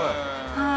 はい。